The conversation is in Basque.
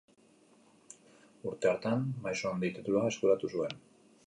Urte hartan Maisu Handi titulua eskuratu zuen.